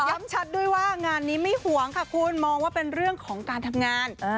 ชัดด้วยว่างานนี้ไม่ห่วงค่ะคุณมองว่าเป็นเรื่องของการทำงาน